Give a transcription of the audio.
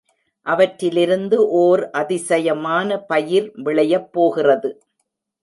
அவற்றிலிருந்து ஓர் அதிசயமான பயிர் விளையப் போகிறது.